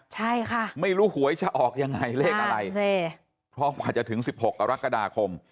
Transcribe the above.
ใช่ค่ะไม่รู้หวยจะออกยังไงเลขอะไรพร้อมอาจจะถึงสิบหกกรกฎาคม